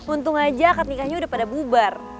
untung aja akad nikahnya udah pada bubar